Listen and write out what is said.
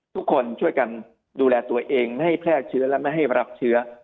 ทุกคนช่วยกันดูแลตัวเองให้แพร่เชื้อและไม่ให้รับเชื้อ